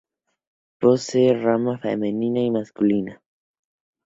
Posee Rama Femenina y Masculina.